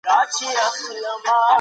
که تدریس منظم وي نو پوهنه ګټوره کیږي.